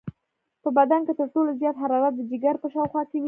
په بدن کې تر ټولو زیاته حرارت د جگر په شاوخوا کې وي.